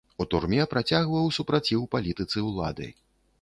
У турме працягваў супраціў палітыцы ўлады.